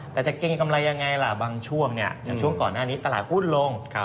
แต่จะเกรงกำไรยังไงล่ะบางช่วงอย่างช่วงก่อนหน้านี้ตลาดหุ้นลง